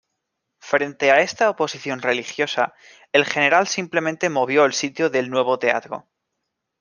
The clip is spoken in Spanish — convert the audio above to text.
Frente a esta oposición religiosa, el general simplemente movió el sitio del nuevo teatro.